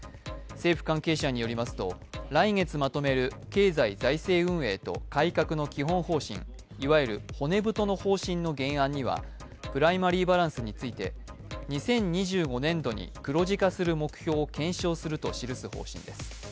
政府関係者によりますと、来月まとめる経済財政運営と改革の基本方針、いわゆる骨太の方針の原案にはプライマリーバランスについて２０２５年度に黒字化する目標を検証すると記す方針です。